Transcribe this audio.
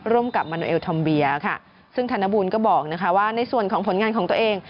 ร่วมกับมันโนเอลธอมเบียซึ่งธนบูรณ์ก็บอกว่าในส่วนของผลงานของตัวเอง